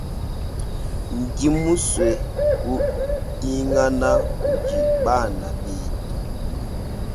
Ndimusue kuhingana kudi bana betu.